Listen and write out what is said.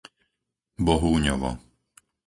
Bohúňovo